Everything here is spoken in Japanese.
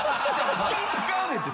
気ぃ使うねんて。